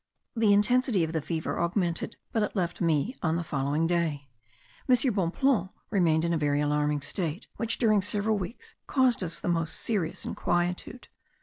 The intensity of the fever augmented but it left me on the following day. M. Bonpland remained in a very alarming state which during several weeks caused us the most serious inquietude.